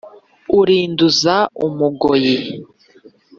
arinduza umugoyi